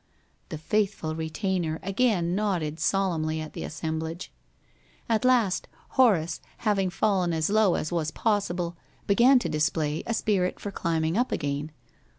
The faithful retainer again nodded solemnly at the assemblage. At last Horace, having fallen as low as was possible, began to display a spirit for climbing up again.